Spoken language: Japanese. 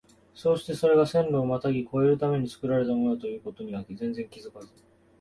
そうしてそれが線路をまたぎ越えるために造られたものだという事には全然気づかず、